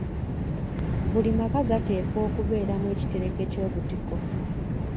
Buli maka gateekwa okubeeramu ekitereke ky’obutiko.